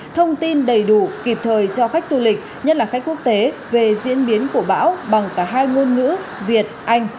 thông tin đầy đủ kịp thời cho khách du lịch nhất là khách quốc tế về diễn biến của bão bằng cả hai ngôn ngữ việt anh